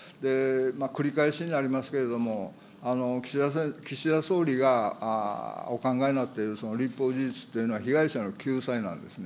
繰り返しになりますけれども、岸田総理がお考えになっている立法事実というのは、被害者の救済なんですね。